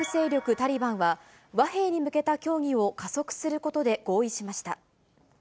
タリバンは、和平に向けた協議を加速することで合意しました。